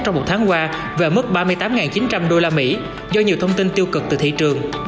trong một tháng qua về mức ba mươi tám chín trăm linh đô la mỹ do nhiều thông tin tiêu cực từ thị trường